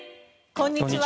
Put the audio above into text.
こんにちは。